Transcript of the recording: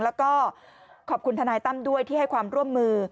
แล้วก็ขอบคุณทนายตั้มด้วยที่ให้ความร่วมมือ